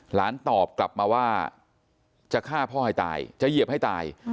หลานตอบกลับมาว่าจะฆ่าพ่อให้ตายจะเหยียบให้ตาย